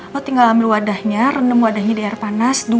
lo tinggal ambil wadahnya renem wadahnya di air panas